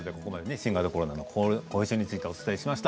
新型コロナの後遺症についてお伝えしました。